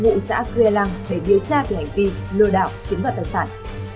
ngụ xã cư lê lăng để điều tra về hành vi lừa đảo chiến vật tài sản